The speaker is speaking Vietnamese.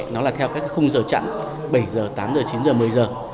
nó là theo các khung giờ chặn bảy giờ tám giờ chín giờ một mươi giờ